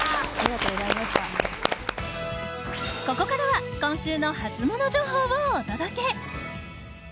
ここからは今週のハツモノ情報をお届け！